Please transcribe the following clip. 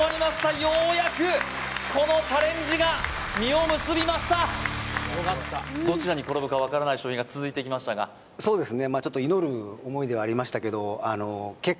ようやくこのチャレンジが実を結びましたどちらに転ぶかわからない商品が続いてきましたがそうですね